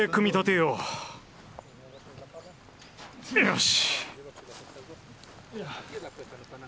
よし。